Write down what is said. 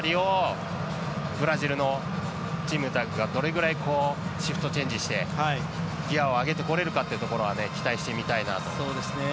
その辺りをブラジルのチームたちがどれぐらいシフトチェンジしてギアを上げてこれるかというところは期待してみたいなと思います。